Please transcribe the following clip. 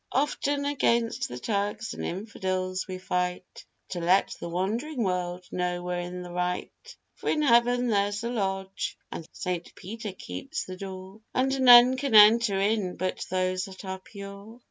Often against the Turks and Infidels we fight, To let the wandering world know we're in the right, For in heaven there's a lodge, and St. Peter keeps the door, And none can enter in but those that are pure.